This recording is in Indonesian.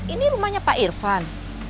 ini rumahnya pak irfan